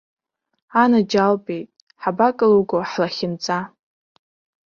Анаџьалбеит, ҳабакылуго, ҳлахьынҵа?!